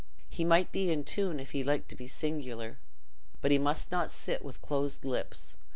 He might be in tune, if he liked to be singular, but he must not sit with closed lips.